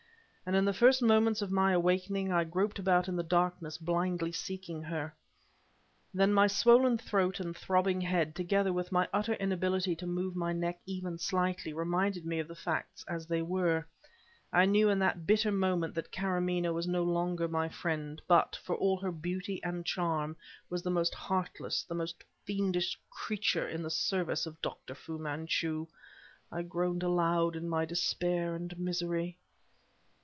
And in the first moments of my awakening, I groped about in the darkness blindly seeking her. Then my swollen throat and throbbing head, together with my utter inability to move my neck even slightly, reminded me of the facts as they were. I knew in that bitter moment that Karamaneh was no longer my friend; but, for all her beauty and charm, was the most heartless, the most fiendish creature in the service of Dr. Fu Manchu. I groaned aloud in my despair and misery.